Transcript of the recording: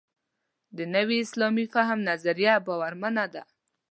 د نوي اسلامي فهم نظریه باورمنه ده.